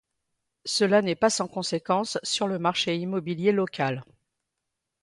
Cela n’est pas sans conséquences sur le marché immobilier local.